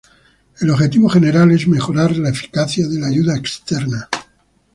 El objetivo general es mejor la eficacia de la ayuda externa.